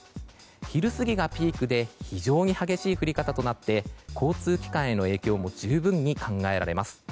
昼過ぎがピークで非常に激しい降り方となって交通機関への影響も十分に考えられます。